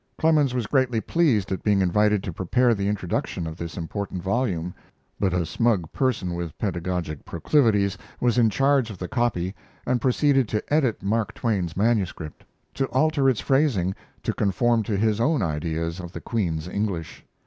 Clemens was greatly pleased at being invited to prepare the Introduction of this important volume, but a smug person with pedagogic proclivities was in charge of the copy and proceeded to edit Mark Twain's manuscript; to alter its phrasing to conform to his own ideas of the Queen's English.